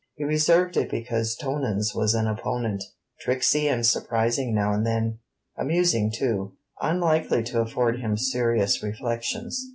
He reserved it because Tonans was an opponent, tricksy and surprising now and then, amusing too; unlikely to afford him serious reflections.